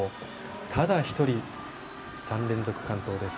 ただ１人、３連続、完登です。